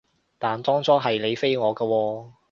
但當初係你飛我㗎喎